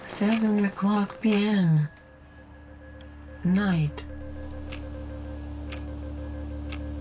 「ナイト」。